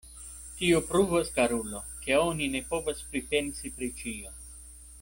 Tio pruvas, karulo, ke oni ne povas pripensi pri ĉio.